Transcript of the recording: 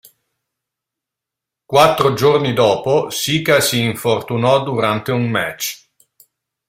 Quattro giorni dopo, Sika si infortunò durante un match.